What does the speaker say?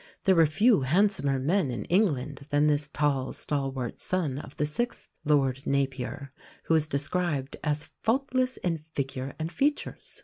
There were few handsomer men in England than this tall, stalwart son of the sixth Lord Napier, who is described as "faultless in figure and features."